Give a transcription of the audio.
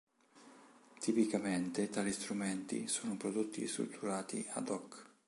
Tipicamente tali strumenti sono prodotti strutturati "ad hoc".